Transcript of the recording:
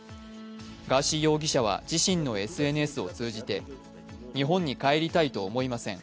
ガーシー容疑者は自身のＳＮＳを通じて、日本に帰りたいと思いません。